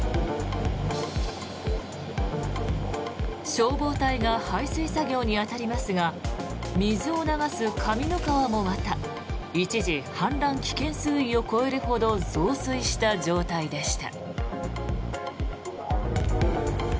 消防隊が排水作業に当たりますが水を流す神之川もまた一時、氾濫危険水位を超えるほど増水した状態でした。